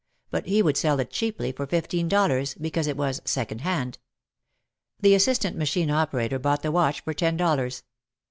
But he would sell it cheaply, for fifteen dollars, because it was "second hand." The assistant machine operator bought the watch for ten dollars.